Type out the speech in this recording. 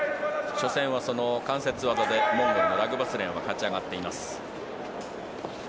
初戦はその関節技でモンゴルのラグバスレンは勝ち上がっています。